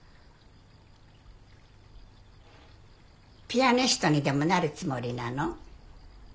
ピアニストにでもなるつもりなの？